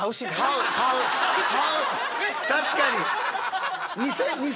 確かに。